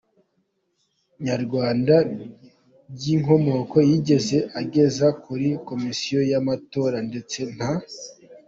Nyarwanda bw’inkomoko yigeze ageza kuri Komisiyo y’Amatora, ndetse nta.